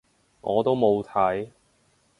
我都冇睇